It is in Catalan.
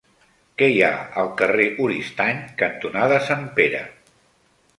Què hi ha al carrer Oristany cantonada Sant Pere?